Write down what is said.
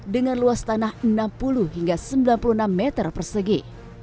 dengan luas tanah enam puluh hingga sembilan puluh enam meter persegi